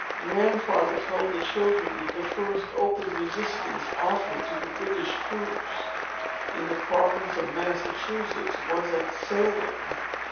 Grandfather told the children, that the first open resistance offered to the British troops, in the province of Massachusetts was at Salem.